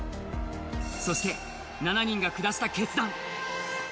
そして、７人が下した決断。